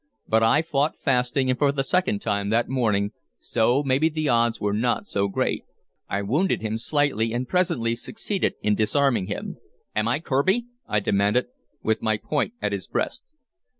But I fought fasting and for the second time that morning, so maybe the odds were not so great. I wounded him slightly, and presently succeeded in disarming him. "Am I Kirby?" I demanded, with my point at his breast.